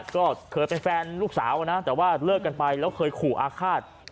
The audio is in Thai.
ก็เคยเป็นแฟนลูกสาวนะแต่ว่าเลิกกันไปแล้วเคยขู่อาฆาต